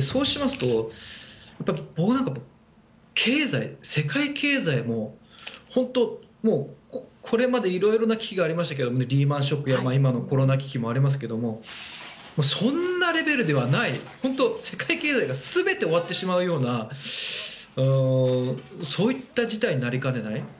そうしますと、僕なんかは世界経済も本当にこれまで色々な危機がありましたけどリーマン・ショックや今のコロナ危機もありますけどそんなレベルではない世界経済が全て終わってしまうようなそういった事態になりかねない。